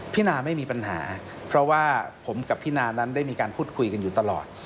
นาไม่มีปัญหาเพราะว่าผมกับพี่นานั้นได้มีการพูดคุยกันอยู่ตลอด